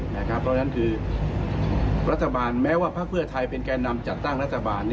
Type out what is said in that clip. เพราะฉะนั้นคือรัฐบาลแม้ว่าพักเพื่อไทยเป็นแก่นำจัดตั้งรัฐบาล